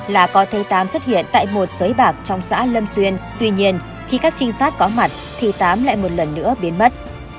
là có thầy tám xuất hiện tại một sới bạc trong xã lâm xuyên tuy nhiên khi các trinh sát có mặt thì tám lại một lần nữa biến mất